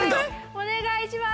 お願いします！